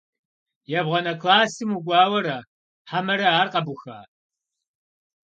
Ебгъуанэ классым укӏуауэра хьэмэрэ ар къэбуха?